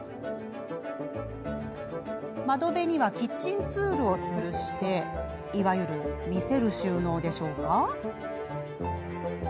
窓辺にはキッチンツールをつるしていわゆる見せる収納でしょうか。